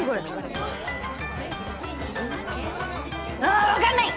あ分かんない！